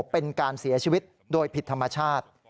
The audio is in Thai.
เป็นการเสียชีวิตโดยผิดธรรมชาติ